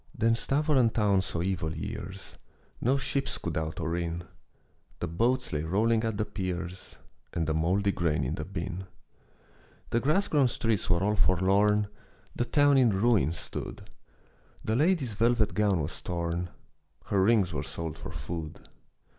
Then Stävoren town saw evil years, No ships could out or in. The boats lay rolling at the piers, And the mouldy grain in the bin. The grass grown streets were all forlorn, The town in ruin stood, The lady's velvet gown was torn, Her rings were sold for food.